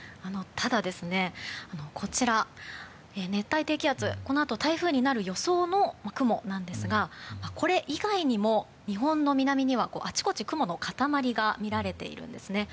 ただ、こちら熱帯低気圧このあと台風になる予想の雲なんですがこれ以外にも日本の南にはあちこち雲の塊が見られているんです。